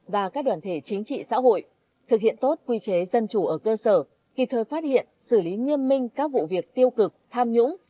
và các đoàn thể chính trị xã hội thực hiện tốt quy chế dân chủ ở cơ sở kịp thời phát hiện xử lý nghiêm minh các vụ việc tiêu cực tham nhũng